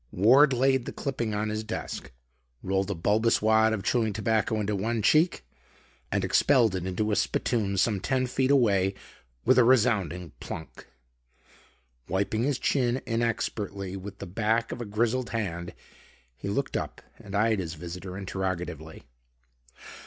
Ward laid the clipping on his desk, rolled a bulbous wad of chewing tobacco into one cheek and expelled it into a spitoon some ten feet away with a resounding plunk. Wiping his chin inexpertly with the back of a grizzled hand, he looked up and eyed his visitor interrogatively.